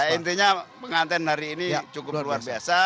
intinya penganten hari ini cukup luar biasa